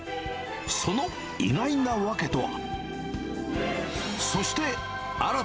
その意外な訳とは。